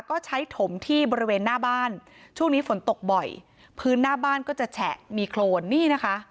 ก็ใช้ถมที่บริเวณหน้าบ้านช่วงนี้ฝนตกบ่อยพื้นหน้าบ้านก็จะแฉะมีโครนนี่นะคะ